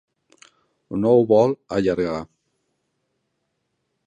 No ho vol allargar.